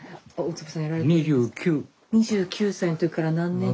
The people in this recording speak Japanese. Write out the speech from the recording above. ２９歳の時から何年間。